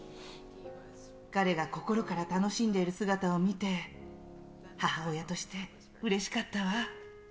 彼が心から楽しんでいる姿を見て、母親としてうれしかったわ。